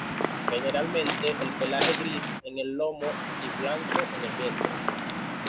Generalmente, de pelaje gris en el lomo y blanco en el vientre.